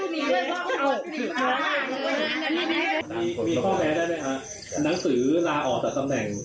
นั้นก็มาได้ไม้ครับหนังสือลาออกจาก๒ตำแหน่งนี้